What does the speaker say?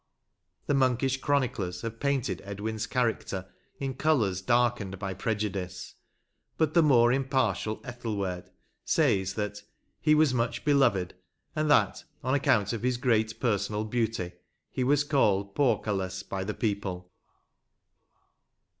The monkish chroniclers have painted Edwin's character in colours darkened by prejudice, but the more impartial Ethelwerd says that *' he was much beloved, and that, on account of his great personal beauty, he was called Paukalus by the people."